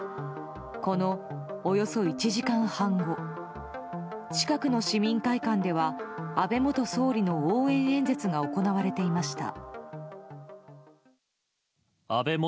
この、およそ１時間半後近くの市民会館では安倍元総理の応援演説が行われていました。